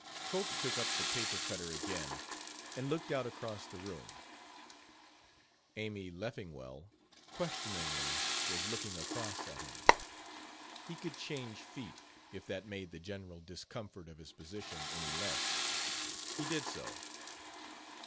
Cope took up the paper cutter again and looked out across the room. Amy Leffingwell, questioningly, was looking across at him. He could change feet if that made the general discomfort of his position any less. He did so.